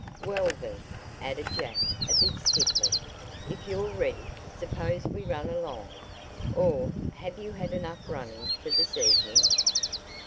"Well, then," added Jack a bit stiffly, "if you're ready, suppose we run along. Or, have you had enough running for this evening?"